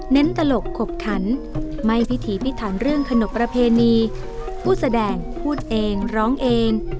ตลกขบขันไม่พิถีพิถันเรื่องขนบประเพณีผู้แสดงพูดเองร้องเอง